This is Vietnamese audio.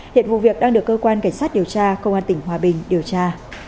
hiện vụ việc đang được cơ quan cảnh sát điều tra công an tỉnh hòa bình điều tra